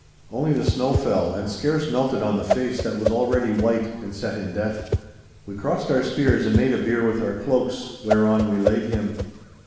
Only the snow fell and scarce melted on the face that was already white and set in death. We crossed our spears and made a bier with our cloaks, whereon we laid him.